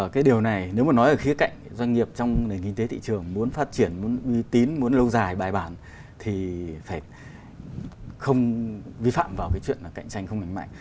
cái điều này nếu mà nói ở khía cạnh doanh nghiệp trong nền kinh tế thị trường muốn phát triển muốn uy tín muốn lâu dài bài bản thì phải không vi phạm vào cái chuyện là cạnh tranh không đánh mạnh